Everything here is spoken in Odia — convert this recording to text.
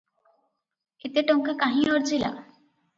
ଏତେ ଟଙ୍କା କାହିଁ ଅର୍ଜିଲା?